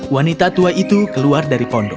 wanita tua itu keluar dari pondok